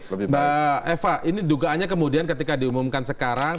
mbak eva ini dugaannya kemudian ketika diumumkan sekarang